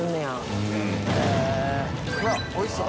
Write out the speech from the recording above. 悗А繊うわっおいしそう！